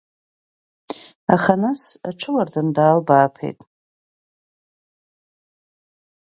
Аха нас аҽуардын даалбааԥеит.